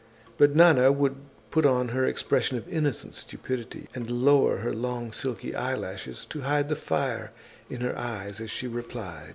But Nana would put on her expression of innocent stupidity and lower her long silky eyelashes to hide the fire in her eyes as she replied.